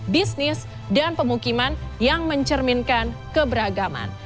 bisnis dan pemukiman yang mencerminkan keberagaman